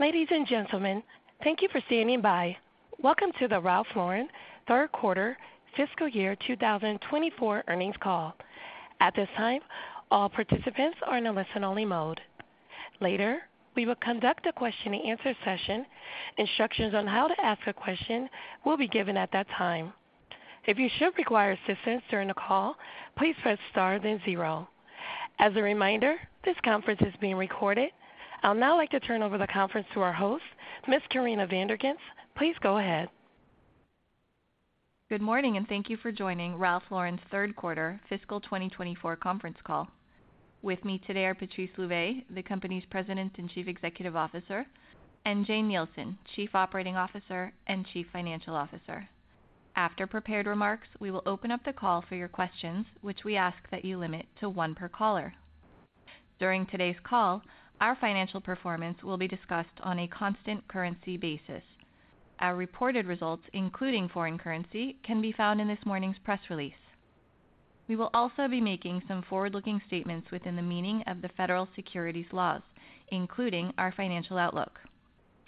Ladies and gentlemen, thank you for standing by. Welcome to the Ralph Lauren third quarter fiscal year 2024 earnings call. At this time, all participants are in a listen-only mode. Later, we will conduct a question-and-answer session. Instructions on how to ask a question will be given at that time. If you should require assistance during the call, please press star, then zero. As a reminder, this conference is being recorded. I'll now like to turn over the conference to our host, Ms. Corinna Van der Ghinst. Please go ahead. Good morning, and thank you for joining Ralph Lauren's third quarter fiscal 2024 conference call. With me today are Patrice Louvet, the company's President and Chief Executive Officer, and Jane Nielsen, Chief Operating Officer and Chief Financial Officer. After prepared remarks, we will open up the call for your questions, which we ask that you limit to one per caller. During today's call, our financial performance will be discussed on a constant currency basis. Our reported results, including foreign currency, can be found in this morning's press release. We will also be making some forward-looking statements within the meaning of the federal securities laws, including our financial outlook.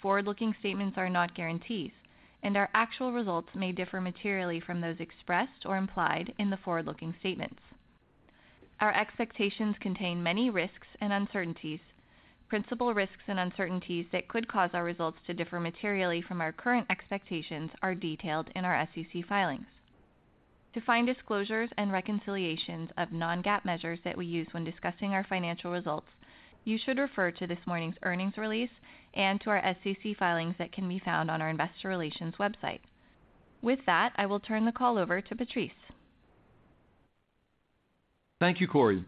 Forward-looking statements are not guarantees, and our actual results may differ materially from those expressed or implied in the forward-looking statements. Our expectations contain many risks and uncertainties. Principal risks and uncertainties that could cause our results to differ materially from our current expectations are detailed in our SEC filings. To find disclosures and reconciliations of Non-GAAP measures that we use when discussing our financial results, you should refer to this morning's earnings release and to our SEC filings that can be found on our investor relations website. With that, I will turn the call over to Patrice. Thank you, Cori.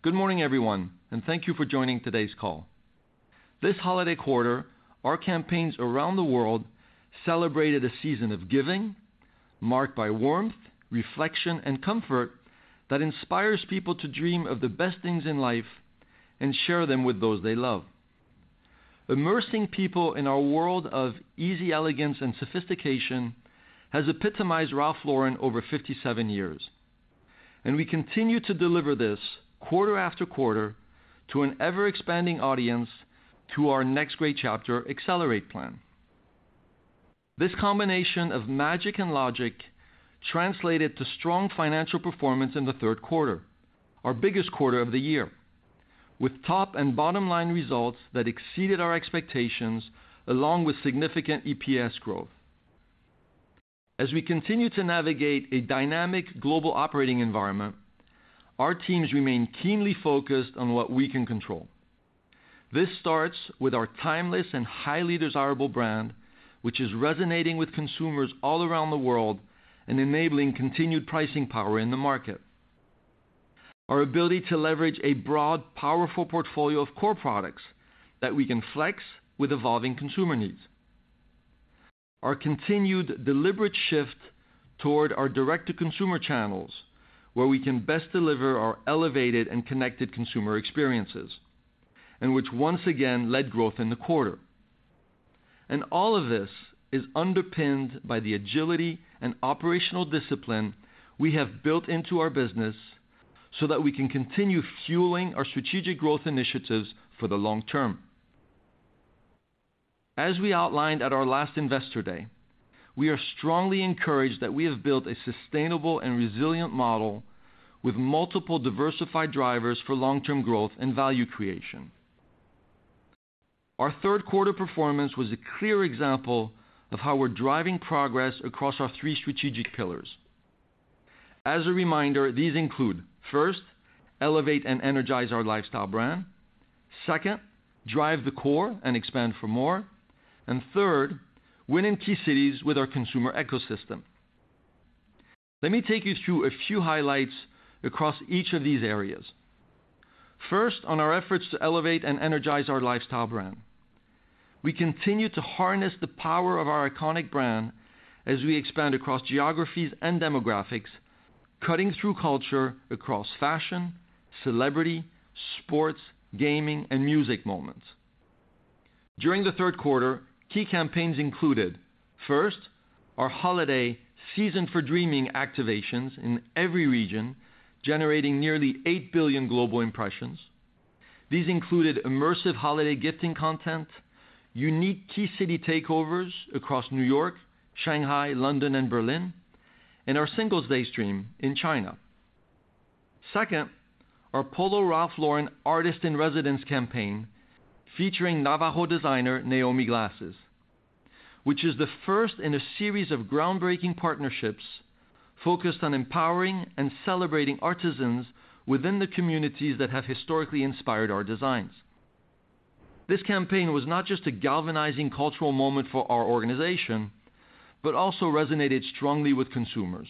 Good morning, everyone, and thank you for joining today's call. This holiday quarter, our campaigns around the world celebrated a season of giving, marked by warmth, reflection, and comfort that inspires people to dream of the best things in life and share them with those they love. Immersing people in our world of easy elegance and sophistication has epitomized Ralph Lauren over 57 years, and we continue to deliver this quarter after quarter to an ever-expanding audience through our Next Great Chapter: Accelerate Plan. This combination of magic and logic translated to strong financial performance in the third quarter, our biggest quarter of the year, with top and bottom line results that exceeded our expectations, along with significant EPS growth. As we continue to navigate a dynamic global operating environment, our teams remain keenly focused on what we can control. This starts with our timeless and highly desirable brand, which is resonating with consumers all around the world and enabling continued pricing power in the market. Our ability to leverage a broad, powerful portfolio of core products that we can flex with evolving consumer needs. Our continued deliberate shift toward our direct-to-consumer channels, where we can best deliver our elevated and connected consumer experiences, and which once again led growth in the quarter. And all of this is underpinned by the agility and operational discipline we have built into our business, so that we can continue fueling our strategic growth initiatives for the long term. As we outlined at our last Investor Day, we are strongly encouraged that we have built a sustainable and resilient model with multiple diversified drivers for long-term growth and value creation. Our third quarter performance was a clear example of how we're driving progress across our three strategic pillars. As a reminder, these include, first, elevate and energize our lifestyle brand. Second, drive the core and expand for more. And third, win in key cities with our consumer ecosystem. Let me take you through a few highlights across each of these areas. First, on our efforts to elevate and energize our lifestyle brand. We continue to harness the power of our iconic brand as we expand across geographies and demographics, cutting through culture across fashion, celebrity, sports, gaming, and music moments. During the third quarter, key campaigns included, first, our holiday Season for Dreaming activations in every region, generating nearly 8 billion global impressions. These included immersive holiday gifting content, unique key city takeovers across New York, Shanghai, London, and Berlin, and our Singles' Day stream in China. Second, our Polo Ralph Lauren Artist-in-Residence campaign, featuring Navajo designer, Naiomi Glasses, which is the first in a series of groundbreaking partnerships focused on empowering and celebrating artisans within the communities that have historically inspired our designs. This campaign was not just a galvanizing cultural moment for our organization, but also resonated strongly with consumers,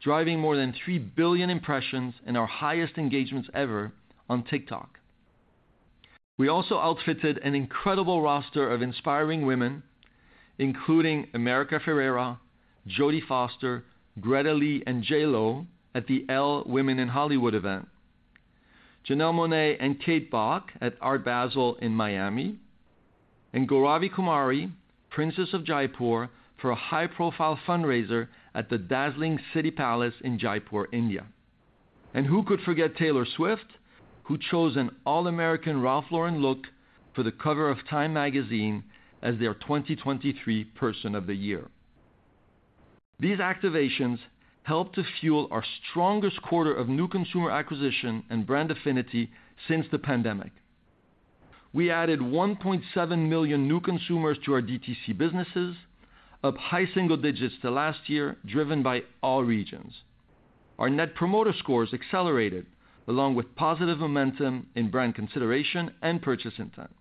driving more than 3 billion impressions and our highest engagements ever on TikTok. We also outfitted an incredible roster of inspiring women, including America Ferrera, Jodie Foster, Greta Lee, and J.Lo at the ELLE Women in Hollywood event, Janelle Monáe and Kate Bock at Art Basel in Miami, and Gauravi Kumari, Princess of Jaipur, for a high-profile fundraiser at the dazzling City Palace in Jaipur, India. And who could forget Taylor Swift, who chose an all-American Ralph Lauren look for the cover of Time magazine as their 2023 Person of the Year? These activations helped to fuel our strongest quarter of new consumer acquisition and brand affinity since the pandemic. We added 1.7 million new consumers to our DTC businesses, up high single digits to last year, driven by all regions. Our Net Promoter Scores accelerated, along with positive momentum in brand consideration and purchase intent.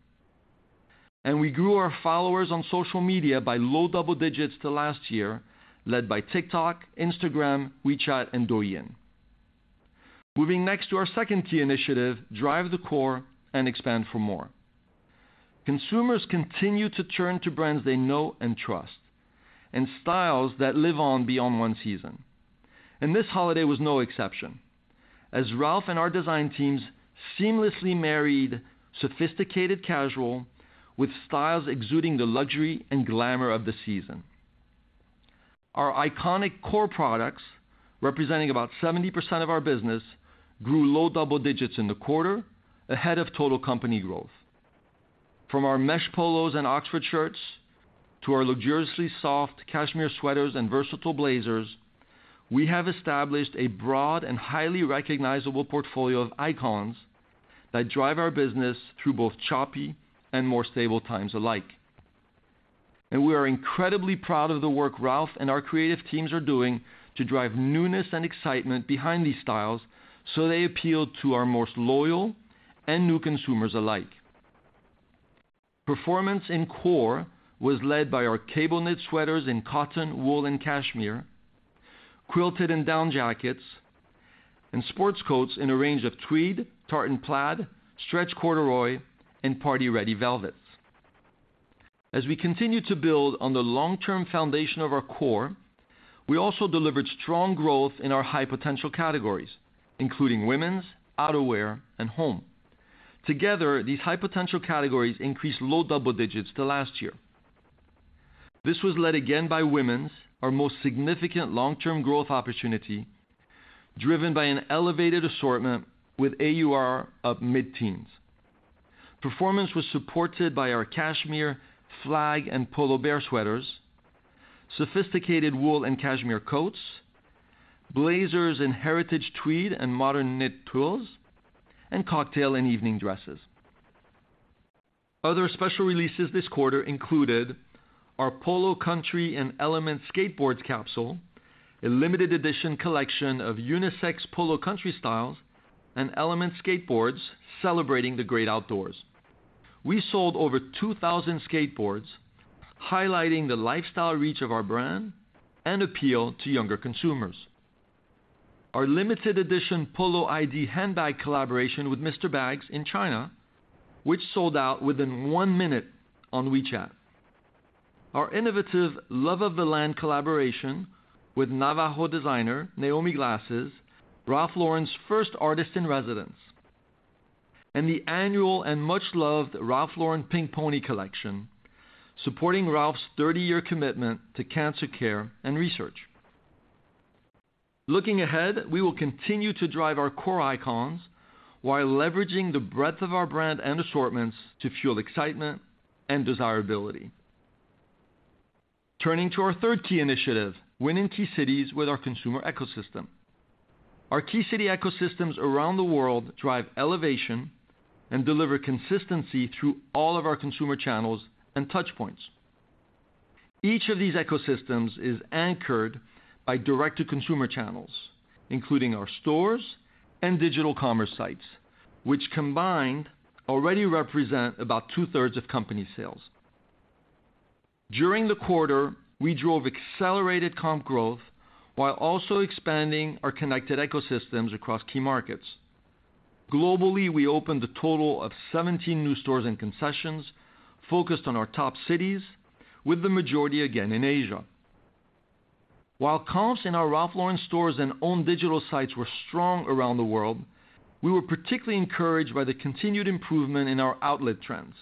We grew our followers on social media by low double digits to last year, led by TikTok, Instagram, WeChat and Douyin. Moving next to our second key initiative, drive the core and expand for more. Consumers continue to turn to brands they know and trust, and styles that live on beyond one season. This holiday was no exception, as Ralph and our design teams seamlessly married sophisticated casual with styles exuding the luxury and glamour of the season. Our iconic core products, representing about 70% of our business, grew low double digits in the quarter, ahead of total company growth. From our mesh polos and oxford shirts, to our luxuriously soft cashmere sweaters and versatile blazers, we have established a broad and highly recognizable portfolio of icons that drive our business through both choppy and more stable times alike. We are incredibly proud of the work Ralph and our creative teams are doing to drive newness and excitement behind these styles, so they appeal to our most loyal and new consumers alike. Performance in core was led by our cable knit sweaters in cotton, wool, and cashmere, quilted and down jackets, and sports coats in a range of tweed, tartan plaid, stretch corduroy, and party-ready velvets. As we continue to build on the long-term foundation of our core, we also delivered strong growth in our high-potential categories, including women's, outerwear, and home. Together, these high-potential categories increased low double digits to last year. This was led again by women's, our most significant long-term growth opportunity, driven by an elevated assortment with AUR up mid-teens. Performance was supported by our cashmere flag and Polo Bear sweaters, sophisticated wool and cashmere coats, blazers in heritage tweed and modern knit twills, and cocktail and evening dresses. Other special releases this quarter included our Polo Country and Element Skateboards capsule, a limited edition collection of unisex Polo Country styles and Element Skateboards celebrating the great outdoors. We sold over 2,000 skateboards, highlighting the lifestyle reach of our brand and appeal to younger consumers. Our limited edition Polo ID handbag collaboration with Mr. Bags in China, which sold out within 1 minute on WeChat. Our innovative Love of the Land collaboration with Navajo designer, Naiomi Glasses, Ralph Lauren's first artist in residence, and the annual and much-loved Ralph Lauren Pink Pony collection, supporting Ralph's 30-year commitment to cancer care and research. Looking ahead, we will continue to drive our core icons while leveraging the breadth of our brand and assortments to fuel excitement and desirability. Turning to our third key initiative, winning key cities with our consumer ecosystem. Our key city ecosystems around the world drive elevation and deliver consistency through all of our consumer channels and touch points. Each of these ecosystems is anchored by direct-to-consumer channels, including our stores and digital commerce sites, which combined, already represent about two-thirds of company sales. During the quarter, we drove accelerated comp growth, while also expanding our connected ecosystems across key markets. Globally, we opened a total of 17 new stores and concessions, focused on our top cities, with the majority again in Asia. While comps in our Ralph Lauren stores and own digital sites were strong around the world, we were particularly encouraged by the continued improvement in our outlet trends.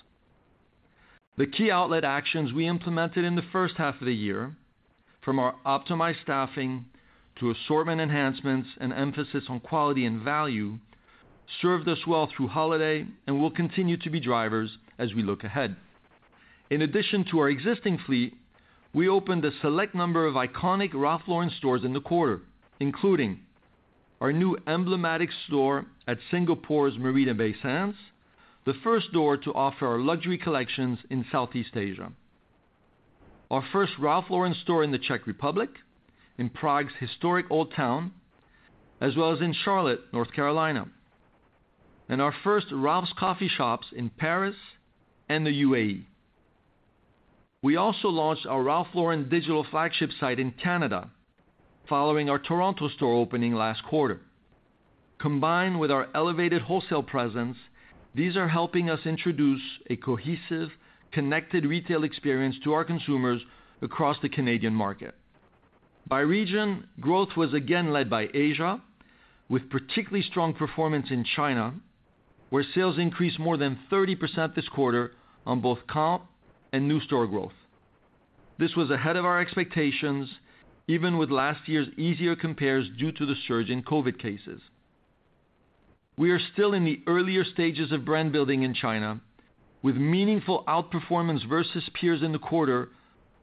The key outlet actions we implemented in the first half of the year, from our optimized staffing to assortment enhancements and emphasis on quality and value, served us well through holiday and will continue to be drivers as we look ahead. In addition to our existing fleet, we opened a select number of iconic Ralph Lauren stores in the quarter, including our new emblematic store at Singapore's Marina Bay Sands, the first store to offer our luxury collections in Southeast Asia. Our first Ralph Lauren store in the Czech Republic, in Prague's historic Old Town, as well as in Charlotte, North Carolina. And our first Ralph's Coffee shops in Paris and the UAE. We also launched our Ralph Lauren digital flagship site in Canada, following our Toronto store opening last quarter. Combined with our elevated wholesale presence, these are helping us introduce a cohesive, connected retail experience to our consumers across the Canadian market. By region, growth was again led by Asia, with particularly strong performance in China, where sales increased more than 30% this quarter on both comp and new store growth.... This was ahead of our expectations, even with last year's easier compares due to the surge in COVID cases. We are still in the earlier stages of brand building in China, with meaningful outperformance versus peers in the quarter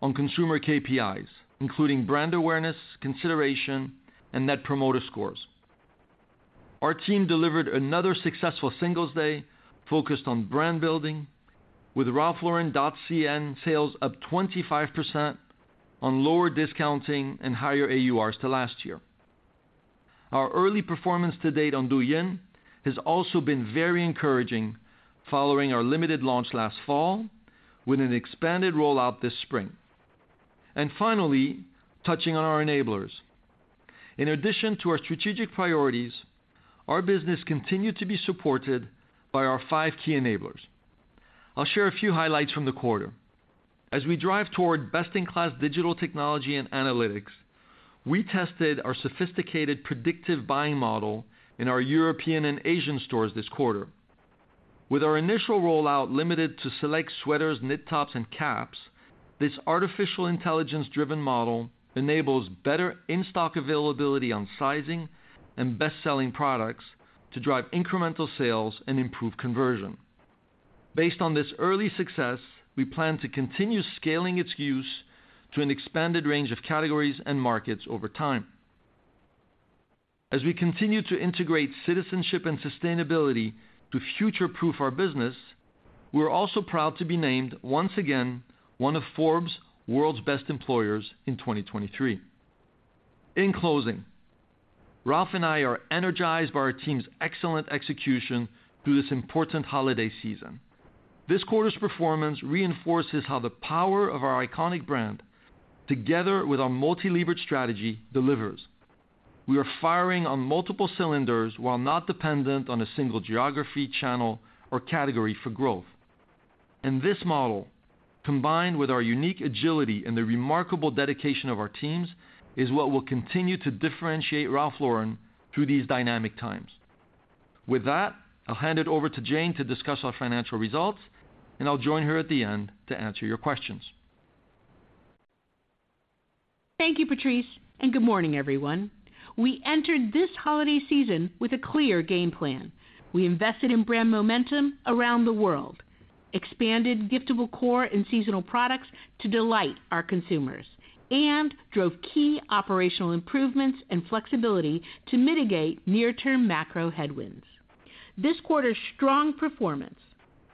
on consumer KPIs, including brand awareness, consideration, and Net Promoter Scores. Our team delivered another successful Singles' Day focused on brand building, with RalphLauren.cn sales up 25% on lower discounting and higher AURs to last year. Our early performance to date on Douyin has also been very encouraging following our limited launch last fall, with an expanded rollout this spring. And finally, touching on our enablers. In addition to our strategic priorities, our business continued to be supported by our five key enablers. I'll share a few highlights from the quarter. As we drive toward best-in-class digital technology and analytics, we tested our sophisticated predictive buying model in our European and Asian stores this quarter. With our initial rollout limited to select sweaters, knit tops, and caps, this artificial intelligence-driven model enables better in-stock availability on sizing and best-selling products to drive incremental sales and improve conversion. Based on this early success, we plan to continue scaling its use to an expanded range of categories and markets over time. As we continue to integrate citizenship and sustainability to future-proof our business, we're also proud to be named, once again, one of Forbes' World's Best Employers in 2023. In closing, Ralph and I are energized by our team's excellent execution through this important holiday season. This quarter's performance reinforces how the power of our iconic brand, together with our multi-levered strategy, delivers. We are firing on multiple cylinders, while not dependent on a single geography, channel, or category for growth. This model, combined with our unique agility and the remarkable dedication of our teams, is what will continue to differentiate Ralph Lauren through these dynamic times. With that, I'll hand it over to Jane to discuss our financial results, and I'll join her at the end to answer your questions. Thank you, Patrice, and good morning, everyone. We entered this holiday season with a clear game plan. We invested in brand momentum around the world, expanded giftable core and seasonal products to delight our consumers, and drove key operational improvements and flexibility to mitigate near-term macro headwinds. This quarter's strong performance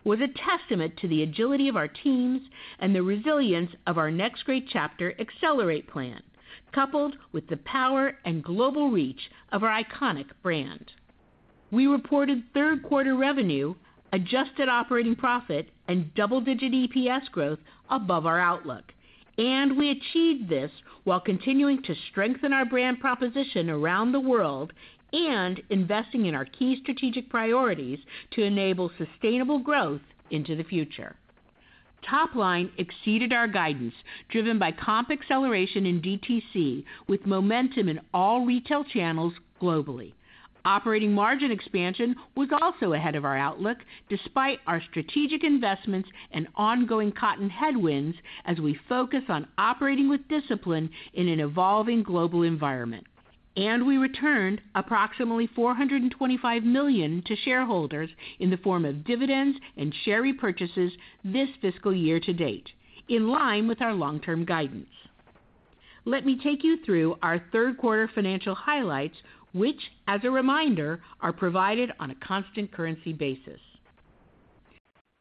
was a testament to the agility of our teams and the resilience of our Next Great Chapter Accelerate Plan, coupled with the power and global reach of our iconic brand. We reported third quarter revenue, adjusted operating profit, and double-digit EPS growth above our outlook. We achieved this while continuing to strengthen our brand proposition around the world and investing in our key strategic priorities to enable sustainable growth into the future. Top line exceeded our guidance, driven by comp acceleration in DTC, with momentum in all retail channels globally. Operating margin expansion was also ahead of our outlook, despite our strategic investments and ongoing cotton headwinds, as we focus on operating with discipline in an evolving global environment. We returned approximately $425 million to shareholders in the form of dividends and share repurchases this fiscal year to date, in line with our long-term guidance. Let me take you through our third quarter financial highlights, which, as a reminder, are provided on a constant currency basis.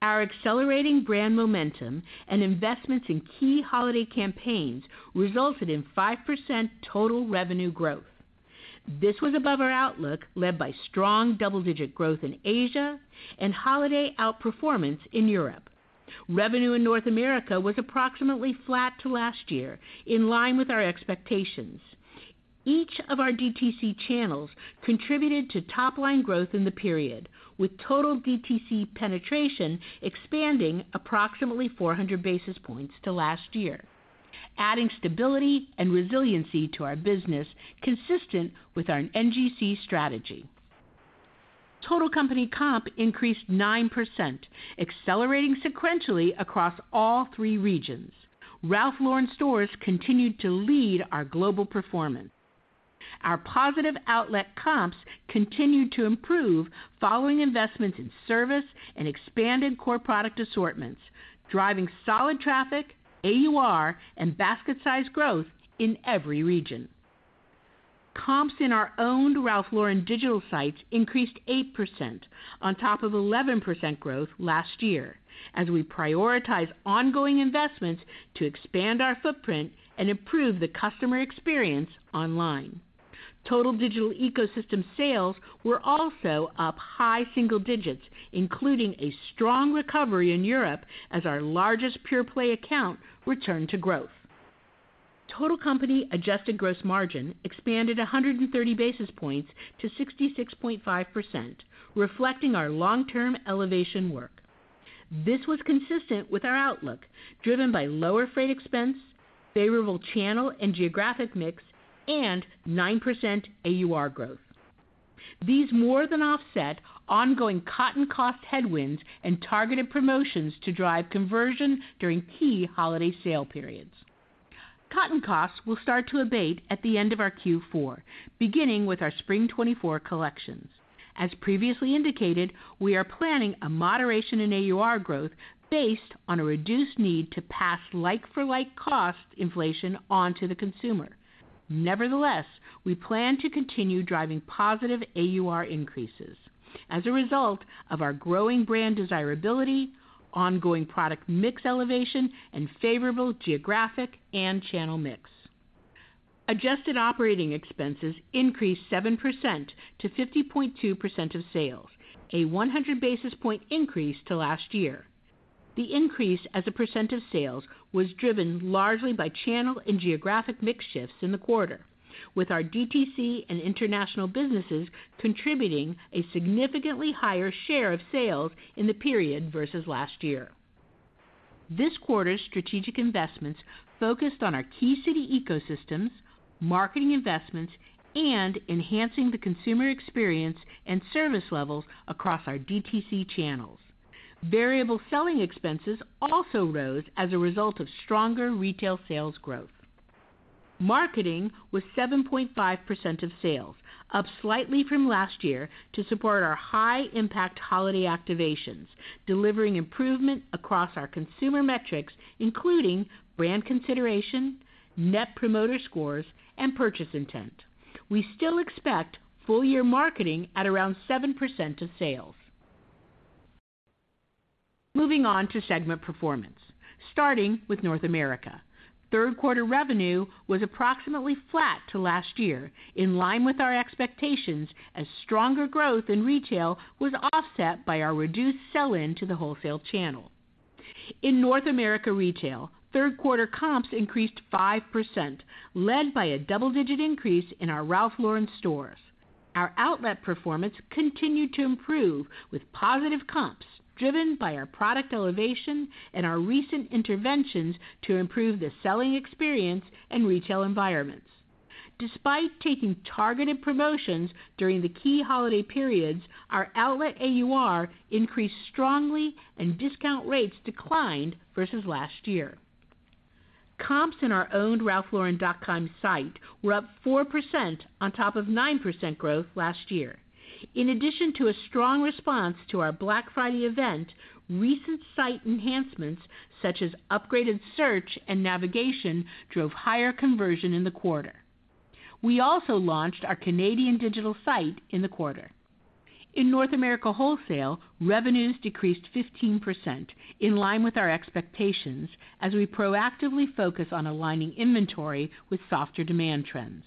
Our accelerating brand momentum and investments in key holiday campaigns resulted in 5% total revenue growth. This was above our outlook, led by strong double-digit growth in Asia and holiday outperformance in Europe. Revenue in North America was approximately flat to last year, in line with our expectations. Each of our DTC channels contributed to top-line growth in the period, with total DTC penetration expanding approximately 400 basis points to last year, adding stability and resiliency to our business, consistent with our NGC strategy. Total company comp increased 9%, accelerating sequentially across all three regions. Ralph Lauren stores continued to lead our global performance. Our positive outlet comps continued to improve, following investments in service and expanded core product assortments, driving solid traffic, AUR, and basket size growth in every region. Comps in our owned Ralph Lauren digital sites increased 8%, on top of 11% growth last year, as we prioritize ongoing investments to expand our footprint and improve the customer experience online. Total digital ecosystem sales were also up high single digits, including a strong recovery in Europe, as our largest pure-play account returned to growth. Total company adjusted gross margin expanded 130 basis points to 66.5%, reflecting our long-term elevation work. This was consistent with our outlook, driven by lower freight expense, favorable channel and geographic mix, and 9% AUR growth.… These more than offset ongoing cotton cost headwinds and targeted promotions to drive conversion during key holiday sale periods. Cotton costs will start to abate at the end of our Q4, beginning with our spring 2024 collections. As previously indicated, we are planning a moderation in AUR growth based on a reduced need to pass like-for-like cost inflation on to the consumer. Nevertheless, we plan to continue driving positive AUR increases as a result of our growing brand desirability, ongoing product mix elevation, and favorable geographic and channel mix. Adjusted operating expenses increased 7%-50.2% of sales, a 100 basis point increase to last year. The increase as a percent of sales was driven largely by channel and geographic mix shifts in the quarter, with our DTC and international businesses contributing a significantly higher share of sales in the period versus last year. This quarter's strategic investments focused on our key city ecosystems, marketing investments, and enhancing the consumer experience and service levels across our DTC channels. Variable selling expenses also rose as a result of stronger retail sales growth. Marketing was 7.5% of sales, up slightly from last year to support our high-impact holiday activations, delivering improvement across our consumer metrics, including brand consideration, Net Promoter Scores, and purchase intent. We still expect full year marketing at around 7% of sales. Moving on to segment performance, starting with North America. Third quarter revenue was approximately flat to last year, in line with our expectations, as stronger growth in retail was offset by our reduced sell-in to the wholesale channel. In North America retail, third quarter comps increased 5%, led by a double-digit increase in our Ralph Lauren stores. Our outlet performance continued to improve, with positive comps driven by our product elevation and our recent interventions to improve the selling experience and retail environments. Despite taking targeted promotions during the key holiday periods, our outlet AUR increased strongly and discount rates declined versus last year. Comps in our owned RalphLauren.com site were up 4% on top of 9% growth last year. In addition to a strong response to our Black Friday event, recent site enhancements, such as upgraded search and navigation, drove higher conversion in the quarter. We also launched our Canadian digital site in the quarter. In North America wholesale, revenues decreased 15%, in line with our expectations, as we proactively focus on aligning inventory with softer demand trends.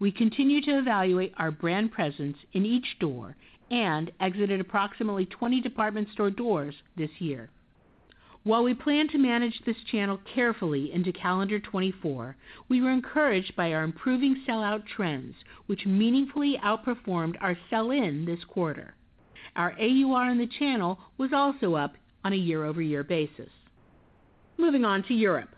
We continue to evaluate our brand presence in each store and exited approximately 20 department store doors this year. While we plan to manage this channel carefully into calendar 2024, we were encouraged by our improving sellout trends, which meaningfully outperformed our sell-in this quarter. Our AUR in the channel was also up on a year-over-year basis. Moving on to Europe.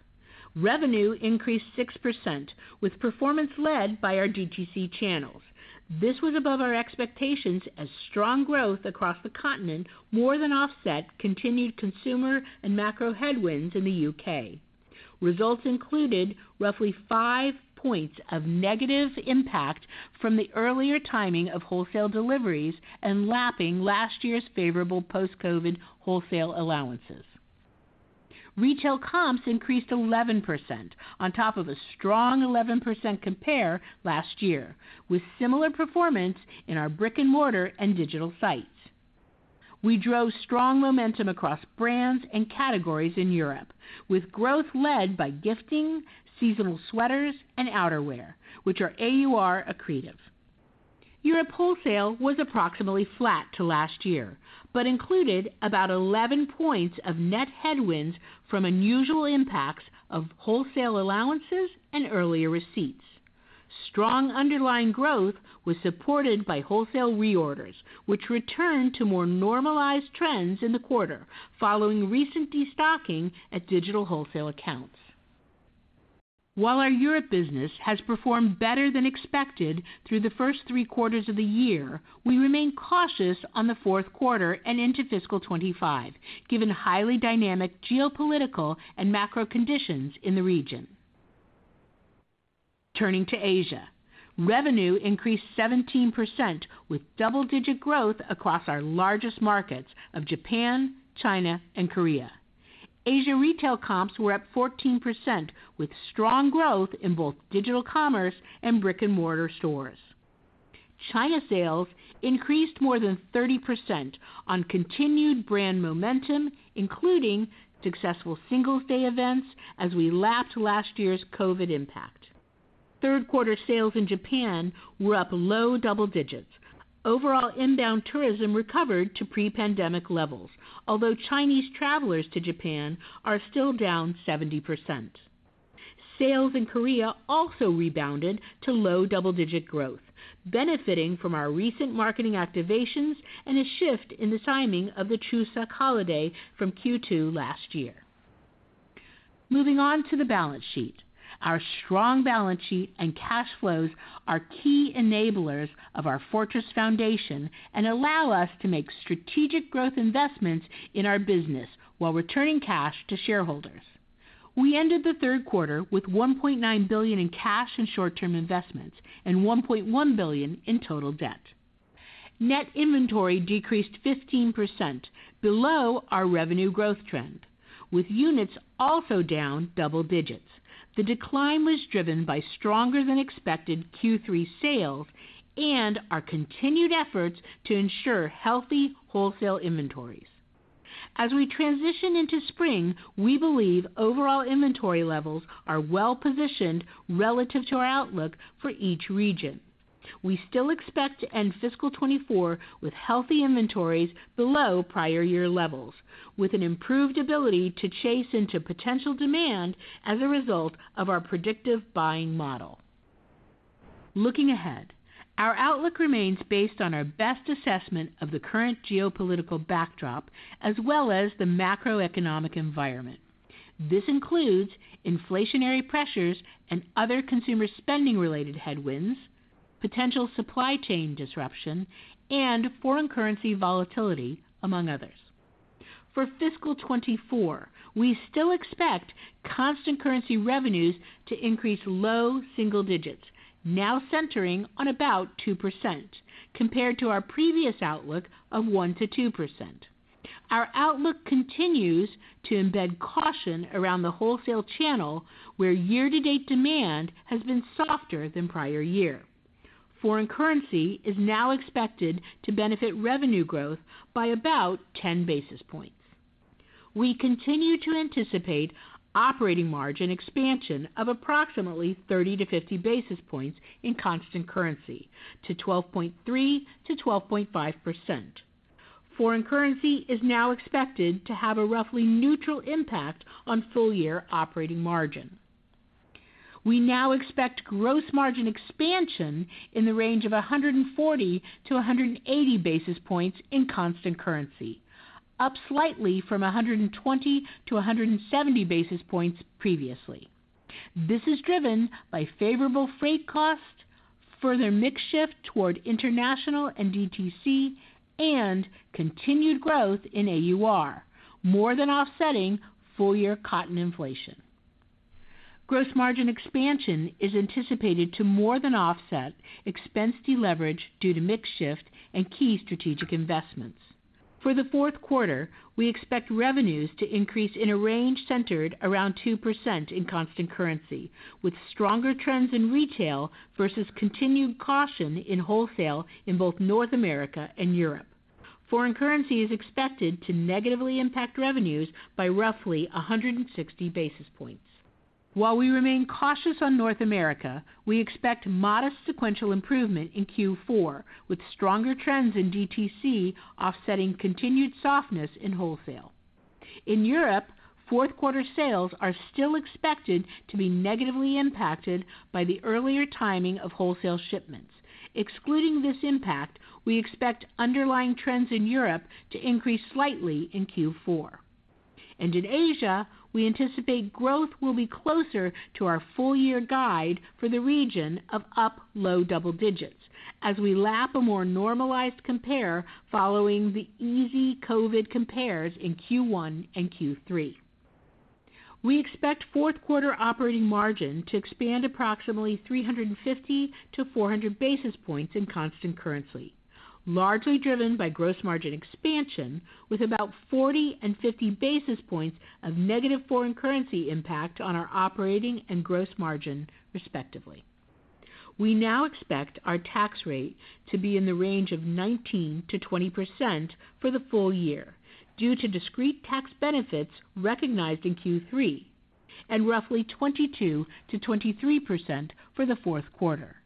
Revenue increased 6%, with performance led by our DTC channels. This was above our expectations as strong growth across the continent more than offset continued consumer and macro headwinds in the UK. Results included roughly 5 points of negative impact from the earlier timing of wholesale deliveries and lapping last year's favorable post-COVID wholesale allowances. Retail comps increased 11% on top of a strong 11% compare last year, with similar performance in our brick-and-mortar and digital sites. We drove strong momentum across brands and categories in Europe, with growth led by gifting, seasonal sweaters, and outerwear, which are AUR accretive. Europe wholesale was approximately flat to last year, but included about 11 points of net headwinds from unusual impacts of wholesale allowances and earlier receipts. Strong underlying growth was supported by wholesale reorders, which returned to more normalized trends in the quarter following recent destocking at digital wholesale accounts. While our Europe business has performed better than expected through the first three quarters of the year, we remain cautious on the fourth quarter and into fiscal 2025, given highly dynamic geopolitical and macro conditions in the region. Turning to Asia. Revenue increased 17%, with double-digit growth across our largest markets of Japan, China, and Korea. Asia retail comps were up 14%, with strong growth in both digital commerce and brick-and-mortar stores. China sales increased more than 30% on continued brand momentum, including successful Singles' Day events as we lapped last year's COVID impact. Third quarter sales in Japan were up low double digits. Overall, inbound tourism recovered to pre-pandemic levels, although Chinese travelers to Japan are still down 70%. Sales in Korea also rebounded to low double-digit growth, benefiting from our recent marketing activations and a shift in the timing of the Chuseok holiday from Q2 last year. Moving on to the balance sheet. Our strong balance sheet and cash flows are key enablers of our fortress foundation and allow us to make strategic growth investments in our business while returning cash to shareholders. We ended the third quarter with $1.9 billion in cash and short-term investments and $1.1 billion in total debt. Net inventory decreased 15% below our revenue growth trend, with units also down double digits. The decline was driven by stronger than expected Q3 sales and our continued efforts to ensure healthy wholesale inventories. As we transition into spring, we believe overall inventory levels are well positioned relative to our outlook for each region. We still expect to end fiscal 2024 with healthy inventories below prior year levels, with an improved ability to chase into potential demand as a result of our predictive buying model. Looking ahead, our outlook remains based on our best assessment of the current geopolitical backdrop as well as the macroeconomic environment. This includes inflationary pressures and other consumer spending-related headwinds, potential supply chain disruption, and foreign currency volatility, among others. For fiscal 2024, we still expect constant currency revenues to increase low single digits, now centering on about 2% compared to our previous outlook of 1%-2%. Our outlook continues to embed caution around the wholesale channel, where year-to-date demand has been softer than prior year. Foreign currency is now expected to benefit revenue growth by about 10 basis points. We continue to anticipate operating margin expansion of approximately 30 basis points-50 basis points in constant currency to 12.3%-12.5%. Foreign currency is now expected to have a roughly neutral impact on full year operating margin. We now expect gross margin expansion in the range of 140 basis points-180 basis points in constant currency, up slightly from 120 basis points-170 basis points previously. This is driven by favorable freight costs, further mix shift toward international and DTC, and continued growth in AUR, more than offsetting full year cotton inflation. Gross margin expansion is anticipated to more than offset expense deleverage due to mix shift and key strategic investments. For the fourth quarter, we expect revenues to increase in a range centered around 2% in constant currency, with stronger trends in retail versus continued caution in wholesale in both North America and Europe. Foreign currency is expected to negatively impact revenues by roughly 160 basis points. While we remain cautious on North America, we expect modest sequential improvement in Q4, with stronger trends in DTC offsetting continued softness in wholesale. In Europe, fourth quarter sales are still expected to be negatively impacted by the earlier timing of wholesale shipments. Excluding this impact, we expect underlying trends in Europe to increase slightly in Q4. In Asia, we anticipate growth will be closer to our full year guide for the region of up low double digits as we lap a more normalized compare following the easy COVID compares in Q1 and Q3. We expect fourth quarter operating margin to expand approximately 350 basis points-400 basis points in constant currency, largely driven by gross margin expansion, with about 40 basis points and 50 basis points of negative foreign currency impact on our operating and gross margin, respectively. We now expect our tax rate to be in the range of 19%-20% for the full year, due to discrete tax benefits recognized in Q3 and roughly 22%-23% for the fourth quarter.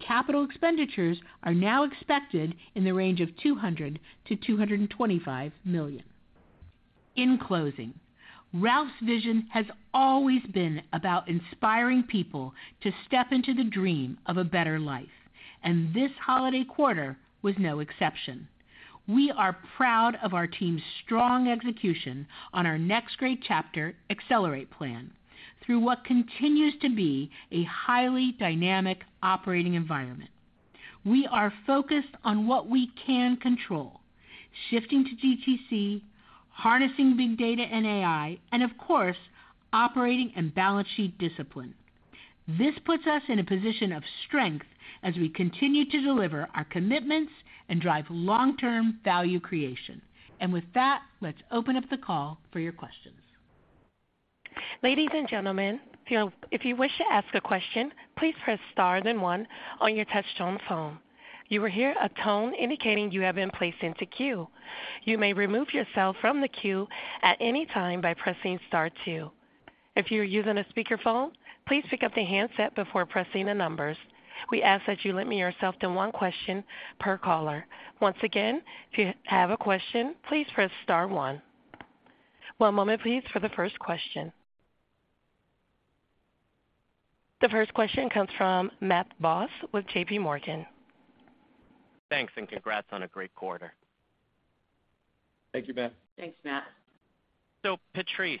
Capital expenditures are now expected in the range of $200 million-$225 million. In closing, Ralph's vision has always been about inspiring people to step into the dream of a better life, and this holiday quarter was no exception. We are proud of our team's strong execution on our Next Great Chapter, Accelerate Plan, through what continues to be a highly dynamic operating environment. We are focused on what we can control: shifting to DTC, harnessing big data and AI, and of course, operating and balance sheet discipline. This puts us in a position of strength as we continue to deliver our commitments and drive long-term value creation. With that, let's open up the call for your questions. Ladies and gentlemen, if you, if you wish to ask a question, please press star then one on your touchtone phone. You will hear a tone indicating you have been placed into queue. You may remove yourself from the queue at any time by pressing star two. If you are using a speakerphone, please pick up the handset before pressing the numbers. We ask that you limit yourself to one question per caller. Once again, if you have a question, please press star one. One moment please, for the first question. The first question comes from Matt Boss with JPMorgan. Thanks, and congrats on a great quarter. Thank you, Matt. Thanks, Matt. So, Patrice,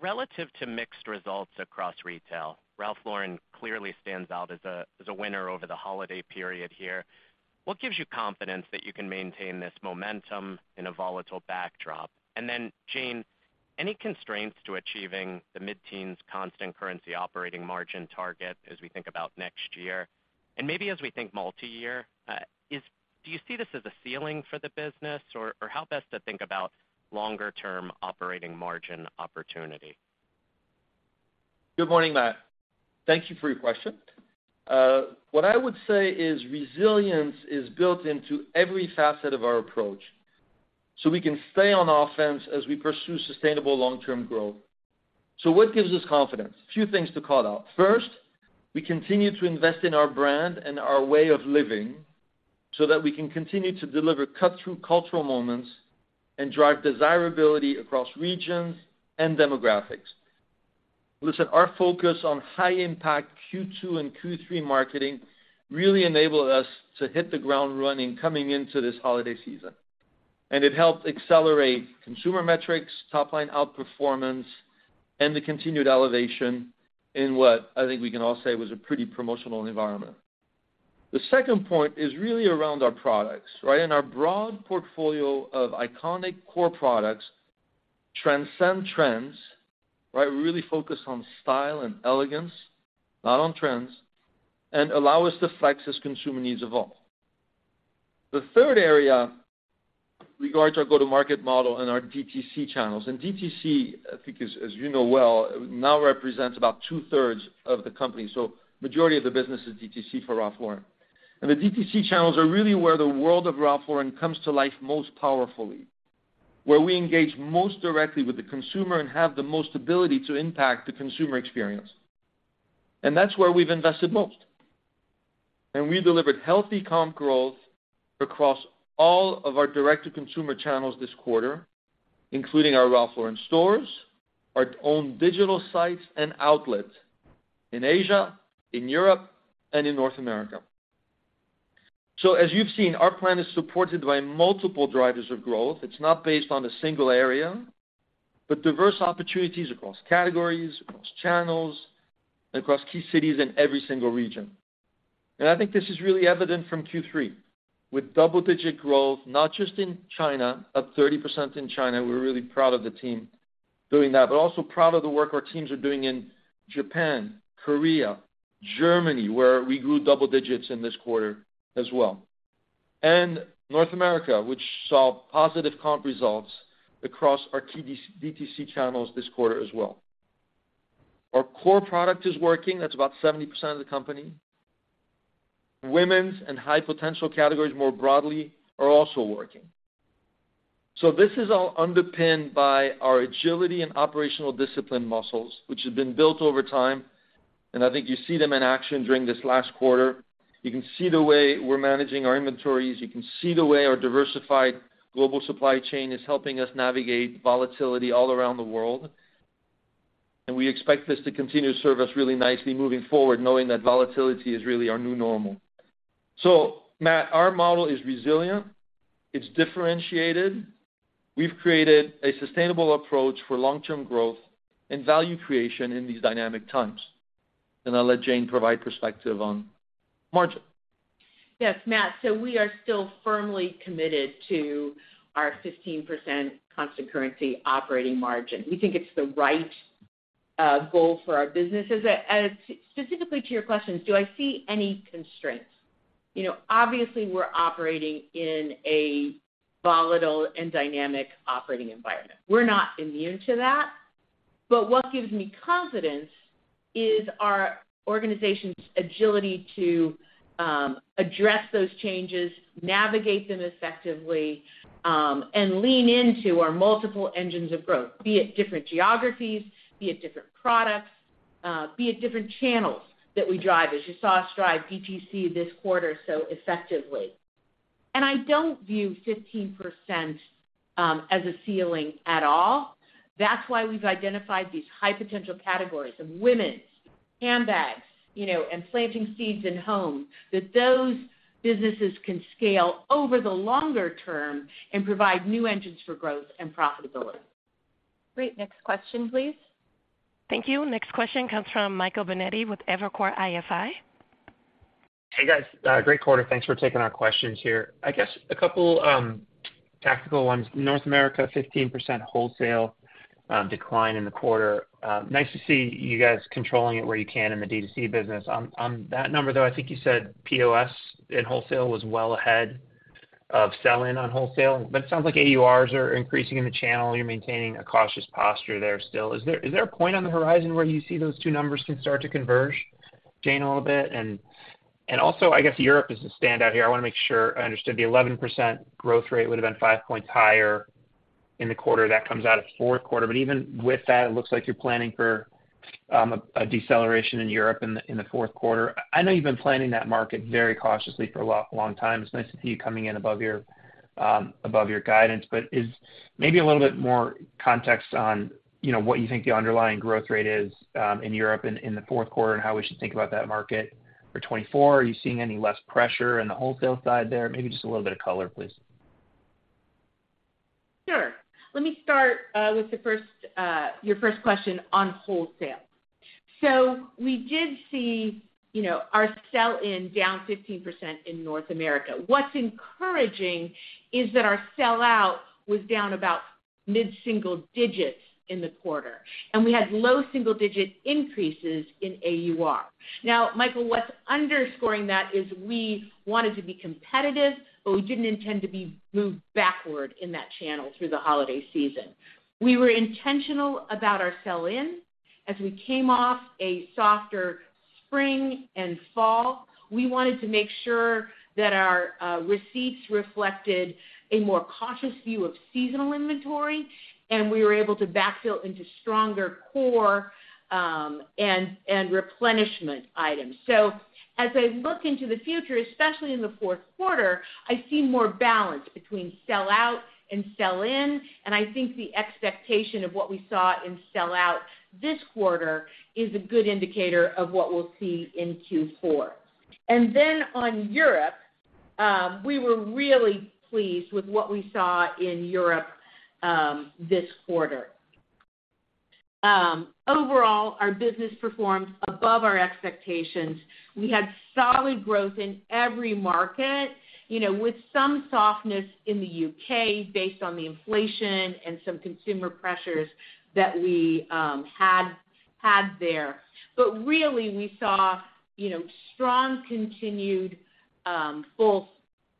relative to mixed results across retail, Ralph Lauren clearly stands out as a winner over the holiday period here. What gives you confidence that you can maintain this momentum in a volatile backdrop? And then, Jane, any constraints to achieving the mid-teens constant currency operating margin target as we think about next year? And maybe as we think multi-year, is do you see this as a ceiling for the business, or how best to think about longer-term operating margin opportunity? Good morning, Matt. Thank you for your question. What I would say is resilience is built into every facet of our approach, so we can stay on offense as we pursue sustainable long-term growth. So what gives us confidence? A few things to call out. First, we continue to invest in our brand and our way of living so that we can continue to deliver cut-through cultural moments and drive desirability across regions and demographics. Listen, our focus on high-impact Q2 and Q3 marketing really enabled us to hit the ground running coming into this holiday season, and it helped accelerate consumer metrics, top line outperformance, and the continued elevation in what I think we can all say was a pretty promotional environment. The second point is really around our products, right? And our broad portfolio of iconic core products transcend trends, right? We really focus on style and elegance, not on trends, and allow us to flex as consumer needs evolve. The third area regards our go-to-market model and our DTC channels. DTC, I think, as, as you know well, now represents about two-thirds of the company, so majority of the business is DTC for Ralph Lauren. The DTC channels are really where the world of Ralph Lauren comes to life most powerfully, where we engage most directly with the consumer and have the most ability to impact the consumer experience. That's where we've invested most. We delivered healthy comp growth across all of our direct-to-consumer channels this quarter, including our Ralph Lauren stores, our own digital sites and outlets in Asia, in Europe, and in North America. As you've seen, our plan is supported by multiple drivers of growth. It's not based on a single area, but diverse opportunities across categories, across channels, and across key cities in every single region. And I think this is really evident from Q3, with double-digit growth, not just in China, up 30% in China. We're really proud of the team doing that, but also proud of the work our teams are doing in Japan, Korea, Germany, where we grew double digits in this quarter as well. And North America, which saw positive comp results across our key DTC channels this quarter as well. Our core product is working. That's about 70% of the company. Women's and high potential categories, more broadly, are also working. So this is all underpinned by our agility and operational discipline muscles, which have been built over time, and I think you see them in action during this last quarter. You can see the way we're managing our inventories. You can see the way our diversified global supply chain is helping us navigate volatility all around the world. We expect this to continue to serve us really nicely moving forward, knowing that volatility is really our new normal. So Matt, our model is resilient; it's differentiated. We've created a sustainable approach for long-term growth and value creation in these dynamic times. I'll let Jane provide perspective on margin. Yes, Matt, so we are still firmly committed to our 15% constant currency operating margin. We think it's the right, goal for our business. As, specifically to your question, do I see any constraints? You know, obviously, we're operating in a volatile and dynamic operating environment. We're not immune to that, but what gives me confidence is our organization's agility to, address those changes, navigate them effectively, and lean into our multiple engines of growth, be it different geographies, be it different products, be it different channels that we drive, as you saw us drive DTC this quarter so effectively. And I don't view 15%, as a ceiling at all. That's why we've identified these high potential categories of women's handbags, you know, and planting seeds in home, that those businesses can scale over the longer term and provide new engines for growth and profitability. Great. Next question, please. Thank you. Next question comes from Michael Binetti with Evercore ISI. Hey, guys. Great quarter. Thanks for taking our questions here. I guess a couple tactical ones. North America, 15% wholesale decline in the quarter. Nice to see you guys controlling it where you can in the DTC business. On that number, though, I think you said POS and wholesale was well ahead of sell-in on wholesale, but it sounds like AURs are increasing in the channel. You're maintaining a cautious posture there still. Is there a point on the horizon where you see those two numbers can start to converge, Jane, a little bit? And also, I guess, Europe is the standout here. I want to make sure I understood the 11% growth rate would have been 5 points higher-... in the quarter, that comes out of fourth quarter. But even with that, it looks like you're planning for a deceleration in Europe in the fourth quarter. I know you've been planning that market very cautiously for a long time. It's nice to see you coming in above your guidance, but maybe a little bit more context on, you know, what you think the underlying growth rate is in Europe in the fourth quarter, and how we should think about that market for 2024? Are you seeing any less pressure in the wholesale side there? Maybe just a little bit of color, please. Sure. Let me start with the first, your first question on wholesale. So we did see, you know, our sell-in down 15% in North America. What's encouraging is that our sell out was down about mid-single digits in the quarter, and we had low single-digit increases in AUR. Now, Michael, what's underscoring that is we wanted to be competitive, but we didn't intend to be moved backward in that channel through the holiday season. We were intentional about our sell-in. As we came off a softer spring and fall, we wanted to make sure that our receipts reflected a more cautious view of seasonal inventory, and we were able to backfill into stronger core, and replenishment items. So as I look into the future, especially in the fourth quarter, I see more balance between sell out and sell in, and I think the expectation of what we saw in sell out this quarter is a good indicator of what we'll see in Q4. And then on Europe, we were really pleased with what we saw in Europe this quarter. Overall, our business performed above our expectations. We had solid growth in every market, you know, with some softness in the U.K. based on the inflation and some consumer pressures that we had there. But really, we saw, you know, strong continued both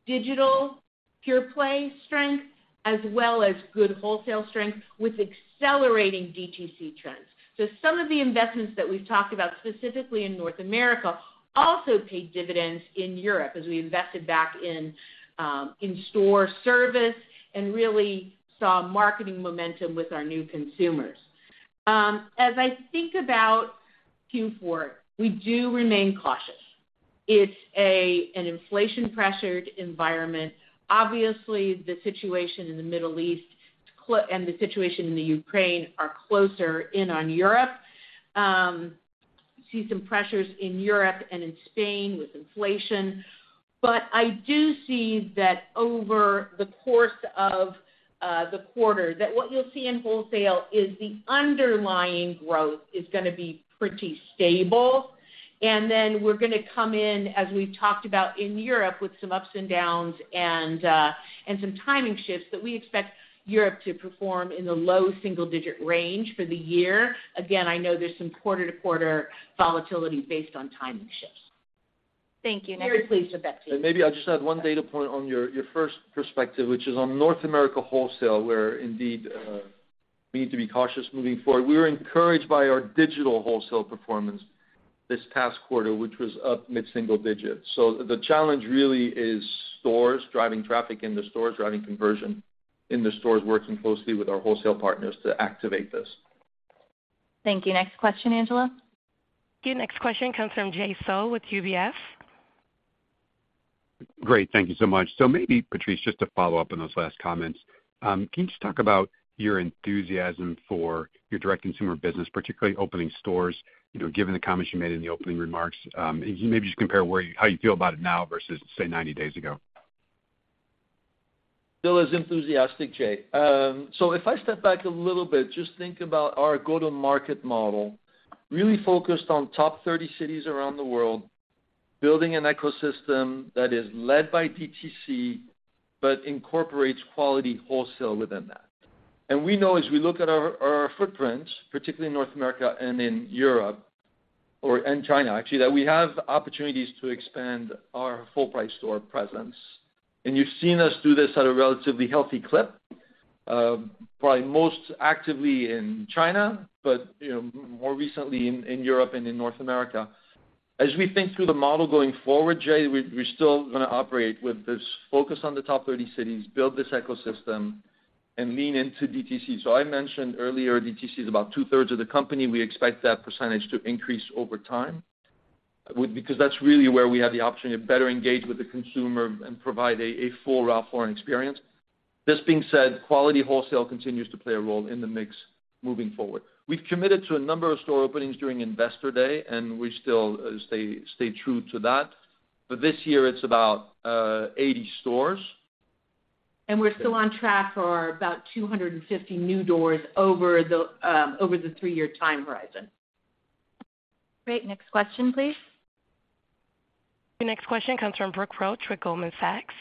digital pure play strength as well as good wholesale strength with accelerating DTC trends. So some of the investments that we've talked about, specifically in North America, also paid dividends in Europe as we invested back in in-store service and really saw marketing momentum with our new consumers. As I think about Q4, we do remain cautious. It's an inflation-pressured environment. Obviously, the situation in the Middle East and the situation in Ukraine are closer in on Europe. See some pressures in Europe and in Spain with inflation. But I do see that over the course of the quarter, that what you'll see in wholesale is the underlying growth is gonna be pretty stable, and then we're gonna come in, as we've talked about in Europe, with some ups and downs and some timing shifts, but we expect Europe to perform in the low single-digit range for the year. Again, I know there's some quarter-to-quarter volatility based on timing shifts. Thank you. Next- Very pleased with that, too. Maybe I'll just add one data point on your first perspective, which is on North America wholesale, where indeed, we need to be cautious moving forward. We were encouraged by our digital wholesale performance this past quarter, which was up mid-single digits. So the challenge really is stores, driving traffic in the stores, driving conversion in the stores, working closely with our wholesale partners to activate this. Thank you. Next question, Angela. Your next question comes from Jay Sole with UBS. Great. Thank you so much. So maybe, Patrice, just to follow up on those last comments, can you just talk about your enthusiasm for your direct-to-consumer business, particularly opening stores, you know, given the comments you made in the opening remarks? And maybe just compare how you feel about it now versus, say, 90 days ago? Still as enthusiastic, Jay. So if I step back a little bit, just think about our go-to-market model, really focused on top 30 cities around the world, building an ecosystem that is led by DTC, but incorporates quality wholesale within that. And we know as we look at our footprint, particularly in North America and in Europe and China, actually, that we have opportunities to expand our full price store presence. And you've seen us do this at a relatively healthy clip, probably most actively in China, but, you know, more recently in Europe and in North America. As we think through the model going forward, Jay, we're still gonna operate with this focus on the top 30 cities, build this ecosystem, and lean into DTC. So I mentioned earlier, DTC is about two-thirds of the company. We expect that percentage to increase over time, because that's really where we have the opportunity to better engage with the consumer and provide a, a full Ralph Lauren experience. This being said, quality wholesale continues to play a role in the mix moving forward. We've committed to a number of store openings during Investor Day, and we still stay true to that. But this year, it's about 80 stores. We're still on track for about 250 new doors over the three-year time horizon. Great. Next question, please. Your next question comes from Brooke Roach with Goldman Sachs.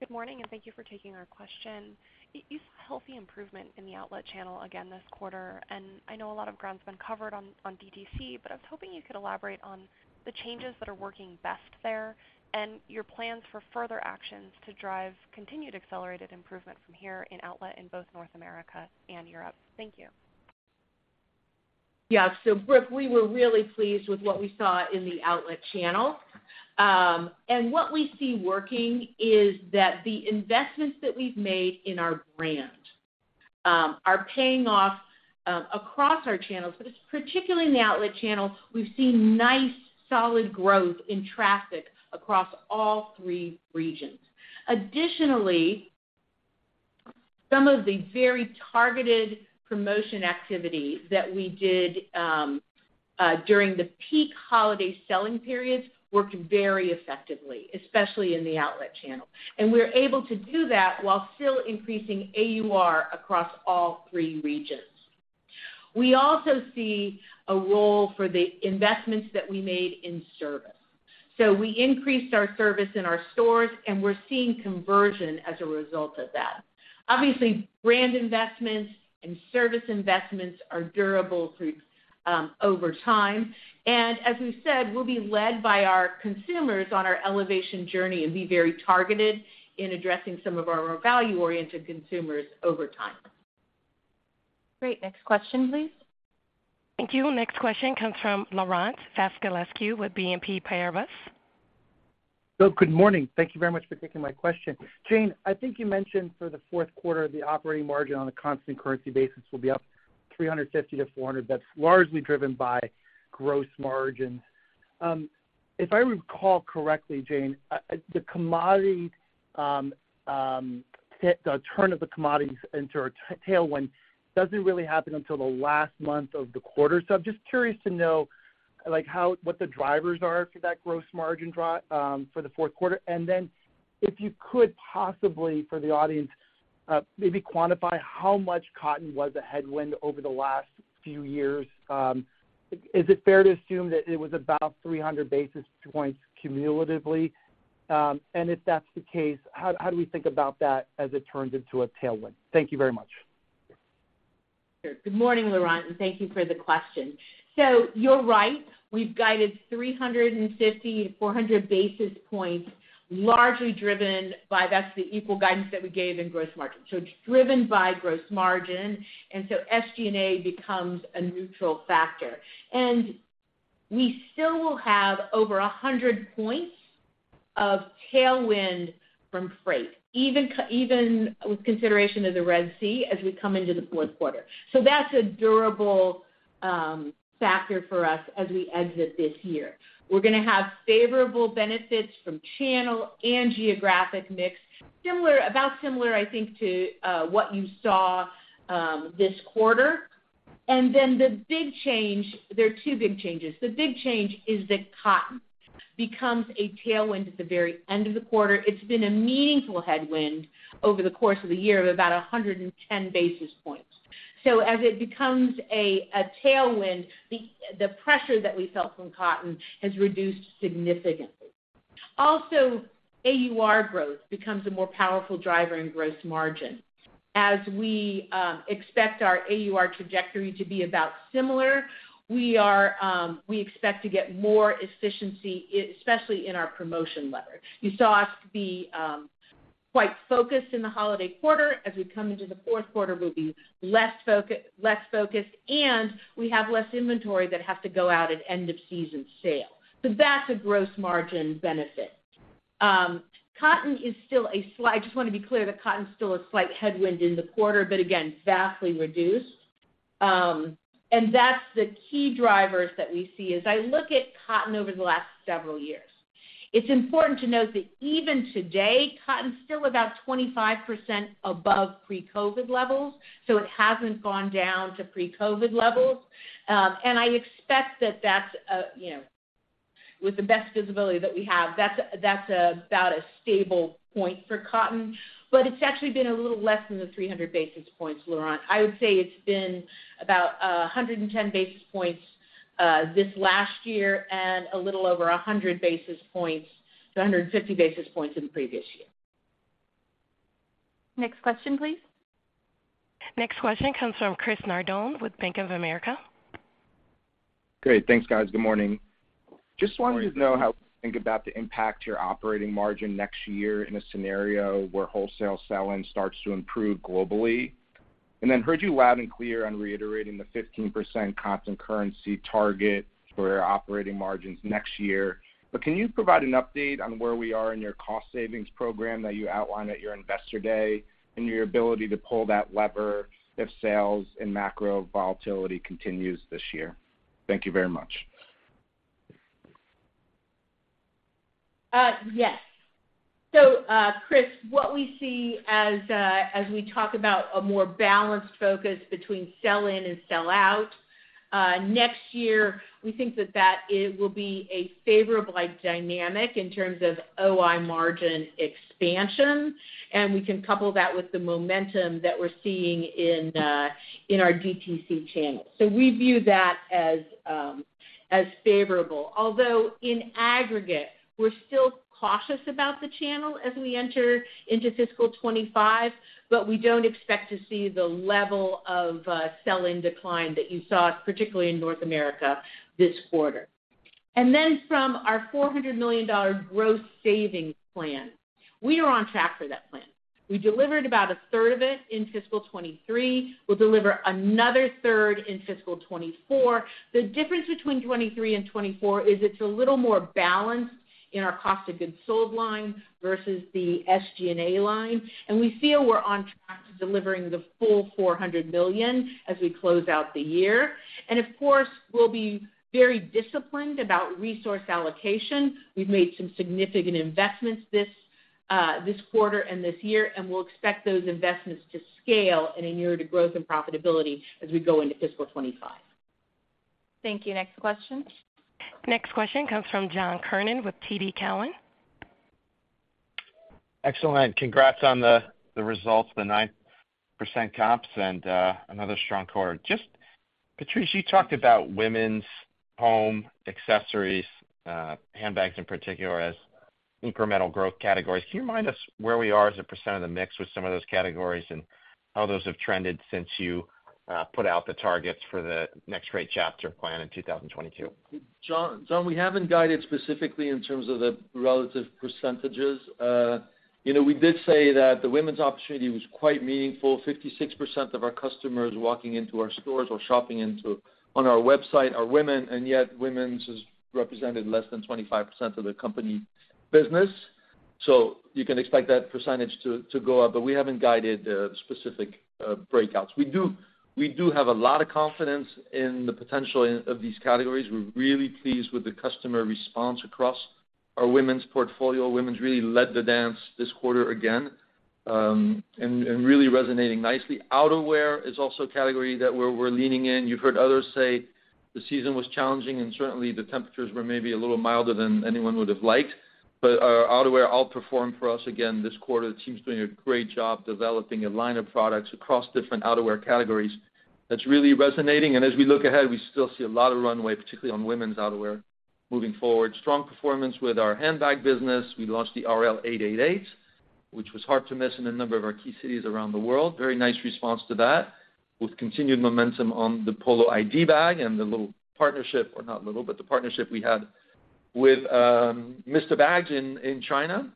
Good morning, and thank you for taking our question. You saw healthy improvement in the outlet channel again this quarter, and I know a lot of ground's been covered on DTC, but I was hoping you could elaborate on the changes that are working best there and your plans for further actions to drive continued accelerated improvement from here in outlet in both North America and Europe. Thank you.... Yeah. So Brooke, we were really pleased with what we saw in the outlet channel. And what we see working is that the investments that we've made in our brand are paying off across our channels, but it's particularly in the outlet channel, we've seen nice, solid growth in traffic across all three regions. Additionally, some of the very targeted promotion activities that we did during the peak holiday selling periods worked very effectively, especially in the outlet channel, and we're able to do that while still increasing AUR across all three regions. We also see a role for the investments that we made in service. So we increased our service in our stores, and we're seeing conversion as a result of that. Obviously, brand investments and service investments are durable through, over time, and as we've said, we'll be led by our consumers on our elevation journey and be very targeted in addressing some of our more value-oriented consumers over time. Great. Next question, please. Thank you. Next question comes from Laurent Vasilescu with BNP Paribas. So good morning. Thank you very much for taking my question. Jane, I think you mentioned for the fourth quarter, the operating margin on a constant currency basis will be up 350 basis points-400 basis points. That's largely driven by gross margin. If I recall correctly, Jane, the commodity, the turn of the commodities into a tailwind doesn't really happen until the last month of the quarter. So I'm just curious to know, like, what the drivers are for that gross margin drop for the fourth quarter. And then if you could possibly, for the audience, maybe quantify how much cotton was a headwind over the last few years. Is it fair to assume that it was about 300 basis points cumulatively? If that's the case, how do we think about that as it turns into a tailwind? Thank you very much. Good morning, Laurent, and thank you for the question. So you're right, we've guided 350-400 basis points, largely driven by that. That's the equal guidance that we gave in gross margin. So it's driven by gross margin, and so SG&A becomes a neutral factor. And we still will have over 100 points of tailwind from freight, even with consideration of the Red Sea as we come into the fourth quarter. So that's a durable factor for us as we exit this year. We're gonna have favorable benefits from channel and geographic mix, similar, about similar, I think, to what you saw this quarter. And then the big change. There are two big changes. The big change is that cotton becomes a tailwind at the very end of the quarter. It's been a meaningful headwind over the course of the year of about 110 basis points. So as it becomes a tailwind, the pressure that we felt from cotton has reduced significantly. Also, AUR growth becomes a more powerful driver in gross margin. As we expect our AUR trajectory to be about similar, we expect to get more efficiency, especially in our promotion lever. You saw us be quite focused in the holiday quarter. As we come into the fourth quarter, we'll be less focused, and we have less inventory that have to go out at end of season sale. So that's a gross margin benefit. Cotton is still a slight headwind in the quarter, but again, vastly reduced. And that's the key drivers that we see. As I look at cotton over the last several years, it's important to note that even today, cotton is still about 25% above pre-COVID levels, so it hasn't gone down to pre-COVID levels. And I expect that that's, you know, with the best visibility that we have, that's, that's about a stable point for cotton, but it's actually been a little less than the 300 basis points, Laurent. I would say it's been about, a hundred and ten basis points, this last year and a little over a hundred basis points, so a hundred and fifty basis points in the previous year. Next question, please. Next question comes from Chris Nardone with Bank of America. Great. Thanks, guys. Good morning. Just wanted to know how to think about the impact to your operating margin next year in a scenario where wholesale sell-in starts to improve globally. And then heard you loud and clear on reiterating the 15% constant currency target for operating margins next year. But can you provide an update on where we are in your cost savings program that you outlined at your Investor Day, and your ability to pull that lever if sales and macro volatility continues this year? Thank you very much. Yes. So, Chris, what we see as, as we talk about a more balanced focus between sell-in and sell-out, next year, we think that that it will be a favorable like dynamic in terms of OI margin expansion, and we can couple that with the momentum that we're seeing in, in our DTC channel. So we view that as, as favorable. Although in aggregate, we're still cautious about the channel as we enter into fiscal 2025, but we don't expect to see the level of, sell-in decline that you saw, particularly in North America this quarter... and then from our $400 million gross savings plan, we are on track for that plan. We delivered about a third of it in fiscal 2023. We'll deliver another third in fiscal 2024. The difference between 2023 and 2024 is it's a little more balanced in our cost of goods sold line versus the SG&A line, and we feel we're on track to delivering the full $400 million as we close out the year. And of course, we'll be very disciplined about resource allocation. We've made some significant investments this, this quarter and this year, and we'll expect those investments to scale in a year to growth and profitability as we go into fiscal 2025. Thank you. Next question. Next question comes from John Kernan with TD Cowen. Excellent. Congrats on the results, the 9% comps and another strong quarter. Just, Patrice, you talked about women's, home, accessories, handbags in particular, as incremental growth categories. Can you remind us where we are as a percent of the mix with some of those categories and how those have trended since you put out the targets for the Next Great Chapter plan in 2022? John, John, we haven't guided specifically in terms of the relative percentages. You know, we did say that the women's opportunity was quite meaningful. 56% of our customers walking into our stores or shopping on our website are women, and yet women's has represented less than 25% of the company business. So you can expect that percentage to go up, but we haven't guided specific breakouts. We do have a lot of confidence in the potential of these categories. We're really pleased with the customer response across our women's portfolio. Women's really led the dance this quarter again, and really resonating nicely. Outerwear is also a category that we're leaning in. You've heard others say the season was challenging, and certainly, the temperatures were maybe a little milder than anyone would have liked. But our outerwear outperformed for us again this quarter. The team's doing a great job developing a line of products across different outerwear categories that's really resonating. And as we look ahead, we still see a lot of runway, particularly on women's outerwear, moving forward. Strong performance with our handbag business. We launched the RL 888, which was hard to miss in a number of our key cities around the world. Very nice response to that, with continued momentum on the Polo ID bag and the little partnership, or not little, but the partnership we had with Mr. Bags in China.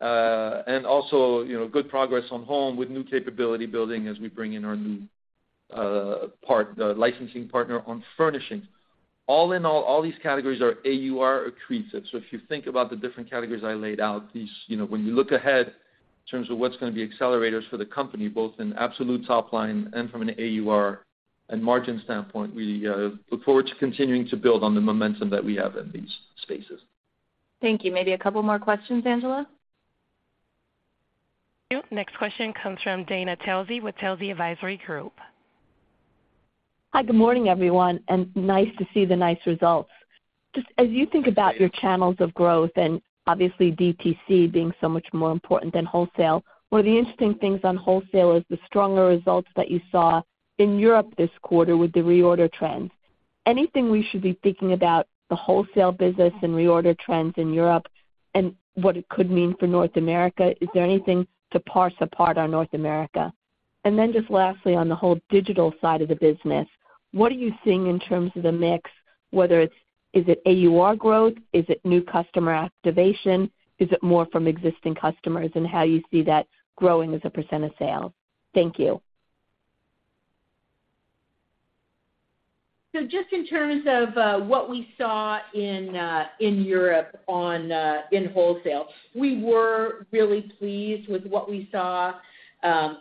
And also, you know, good progress on home with new capability building as we bring in our new the licensing partner on furnishings. All in all, all these categories are AUR accretive. So if you think about the different categories I laid out, these, you know, when you look ahead in terms of what's gonna be accelerators for the company, both in absolute top line and from an AUR and margin standpoint, we look forward to continuing to build on the momentum that we have in these spaces. Thank you. Maybe a couple more questions, Angela? Thank you. Next question comes from Dana Telsey with Telsey Advisory Group. Hi, good morning, everyone, and nice to see the nice results. Just as you think about your channels of growth and obviously DTC being so much more important than wholesale, one of the interesting things on wholesale is the stronger results that you saw in Europe this quarter with the reorder trends. Anything we should be thinking about the wholesale business and reorder trends in Europe and what it could mean for North America? Is there anything to parse apart on North America? And then just lastly, on the whole digital side of the business, what are you seeing in terms of the mix, whether it's... Is it AUR growth? Is it new customer activation? Is it more from existing customers, and how you see that growing as a % of sales? Thank you. So just in terms of what we saw in in Europe on in wholesale, we were really pleased with what we saw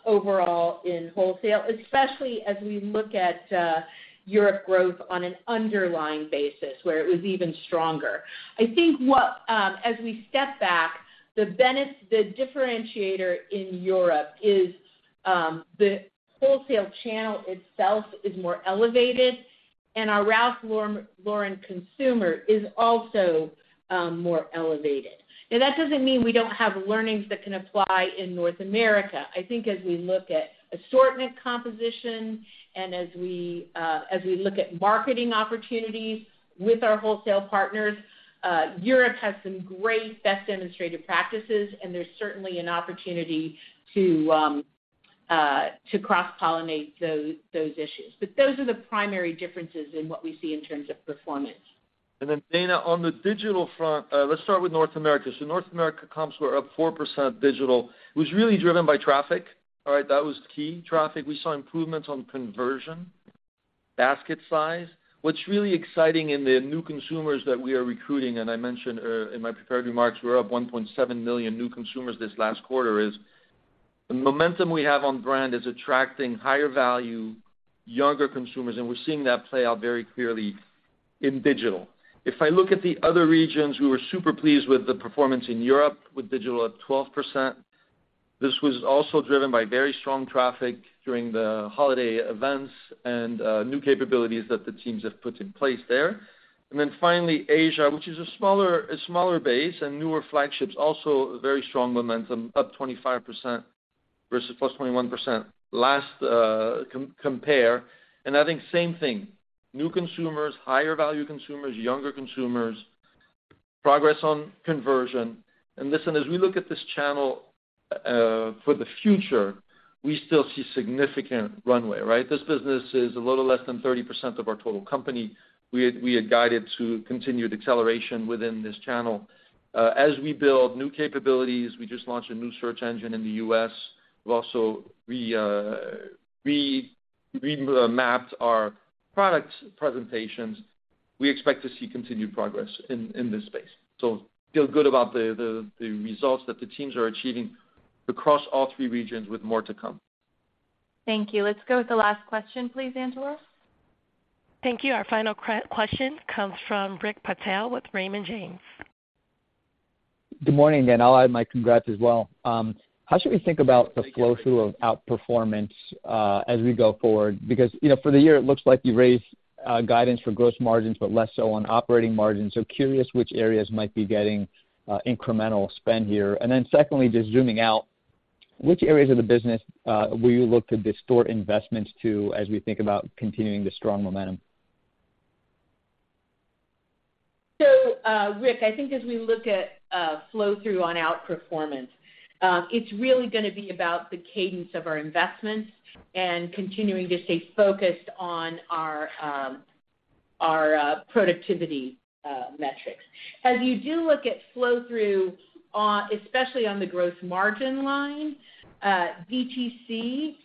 overall in wholesale, especially as we look at Europe growth on an underlying basis, where it was even stronger. I think what as we step back, the differentiator in Europe is the wholesale channel itself is more elevated, and our Ralph Lauren consumer is also more elevated. Now, that doesn't mean we don't have learnings that can apply in North America. I think as we look at assortment composition and as we as we look at marketing opportunities with our wholesale partners, Europe has some great best demonstrated practices, and there's certainly an opportunity to to cross-pollinate those those issues. But those are the primary differences in what we see in terms of performance. Dana, on the digital front, let's start with North America. North America comps were up 4% digital. It was really driven by traffic. All right? That was key, traffic. We saw improvements on conversion, basket size. What's really exciting in the new consumers that we are recruiting, and I mentioned in my prepared remarks, we're up 1.7 million new consumers this last quarter, is the momentum we have on brand is attracting higher-value, younger consumers, and we're seeing that play out very clearly in digital. If I look at the other regions, we were super pleased with the performance in Europe, with digital up 12%. This was also driven by very strong traffic during the holiday events and new capabilities that the teams have put in place there. Then finally, Asia, which is a smaller, a smaller base and newer flagships, also very strong momentum, up 25% versus +21% last comp. And I think same thing, new consumers, higher-value consumers, younger consumers.... progress on conversion. And listen, as we look at this channel, for the future, we still see significant runway, right? This business is a little less than 30% of our total company. We had guided to continued acceleration within this channel. As we build new capabilities, we just launched a new search engine in the U.S. We've also, we mapped our product presentations. We expect to see continued progress in this space. So feel good about the results that the teams are achieving across all three regions with more to come. Thank you. Let's go with the last question, please, Angela. Thank you. Our final question comes from Rick Patel with Raymond James. Good morning, and I'll add my congrats as well. How should we think about the flow-through of outperformance as we go forward? Because, you know, for the year, it looks like you raised guidance for gross margins, but less so on operating margins. So, curious which areas might be getting incremental spend here. And then secondly, just zooming out, which areas of the business will you look to distort investments to, as we think about continuing the strong momentum? So, Rick, I think as we look at flow-through on outperformance, it's really gonna be about the cadence of our investments and continuing to stay focused on our productivity metrics. As you do look at flow-through, especially on the gross margin line, DTC,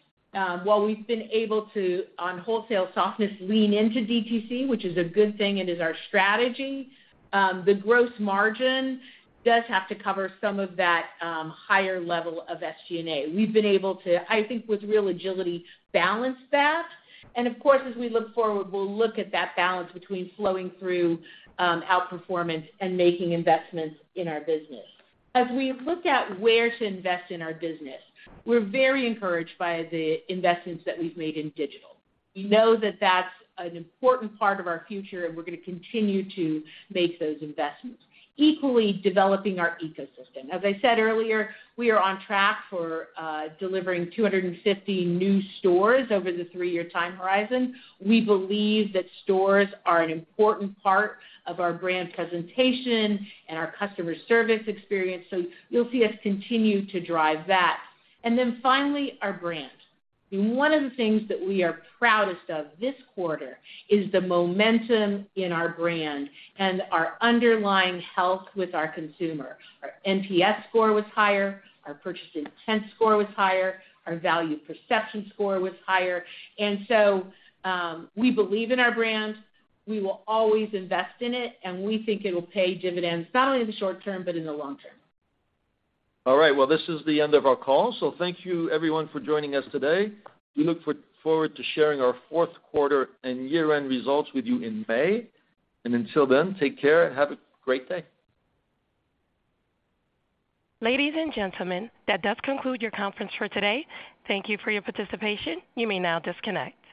while we've been able to, on wholesale softness, lean into DTC, which is a good thing, it is our strategy, the gross margin does have to cover some of that higher level of SG&A. We've been able to, I think, with real agility, balance that. And of course, as we look forward, we'll look at that balance between flowing through outperformance and making investments in our business. As we've looked at where to invest in our business, we're very encouraged by the investments that we've made in digital. We know that that's an important part of our future, and we're gonna continue to make those investments. Equally, developing our ecosystem. As I said earlier, we are on track for delivering 250 new stores over the three-year time horizon. We believe that stores are an important part of our brand presentation and our customer service experience, so you'll see us continue to drive that. And then finally, our brand. One of the things that we are proudest of this quarter is the momentum in our brand and our underlying health with our consumer. Our NPS score was higher, our purchase intent score was higher, our value perception score was higher. And so, we believe in our brand. We will always invest in it, and we think it'll pay dividends, not only in the short term, but in the long term. All right, well, this is the end of our call. So thank you everyone for joining us today. We look forward to sharing our fourth quarter and year-end results with you in May. Until then, take care and have a great day. Ladies and gentlemen, that does conclude your conference for today. Thank you for your participation. You may now disconnect.